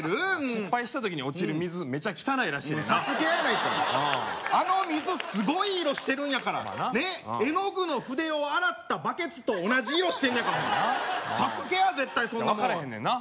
失敗した時に落ちる水メチャ汚いらしいねん「ＳＡＳＵＫＥ」やないかあの水すごい色してるんやから絵の具の筆を洗ったバケツと同じ色してんのやから「ＳＡＳＵＫＥ」や絶対そんなもんは分からへんねんな